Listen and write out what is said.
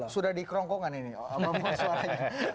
sudah dikongkongan ini